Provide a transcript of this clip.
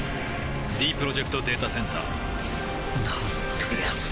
ディープロジェクト・データセンターなんてやつなんだ